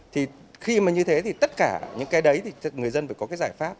thì khi mà như thế thì tất cả những cái đấy thì người dân phải có cái giải pháp